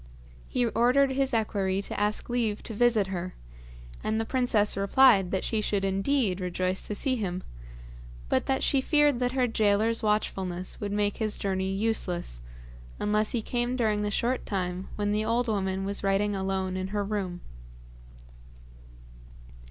He ordered his equerry to ask leave to visit her, and the princess replied that she should indeed rejoice to see him, but that she feared that her gaoler's watchfulness would make his journey useless, unless he came during the short time when the old woman was writing alone in her own room.